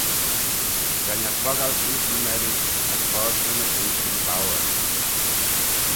Ren eh troggal seose ny merriu as fosley ny cleayshyn bouyr.